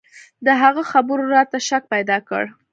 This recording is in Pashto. د هغه خبرو راته شک پيدا کړ.